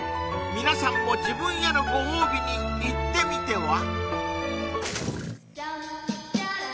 皆さんも自分へのご褒美に行ってみては？